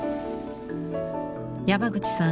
山口さん